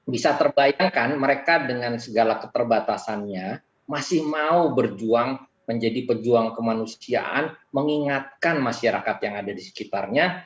bisa terbayangkan mereka dengan segala keterbatasannya masih mau berjuang menjadi pejuang kemanusiaan mengingatkan masyarakat yang ada di sekitarnya